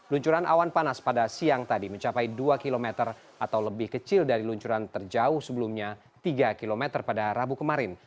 luncuran awan panas pada siang tadi mencapai dua km atau lebih kecil dari luncuran terjauh sebelumnya tiga km pada rabu kemarin